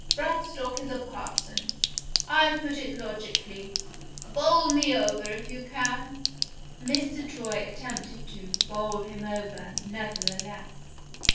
Bradstock is a parson. I put it logically. Bowl me over, if you can." Mr. Troy attempted to "bowl him over," nevertheless.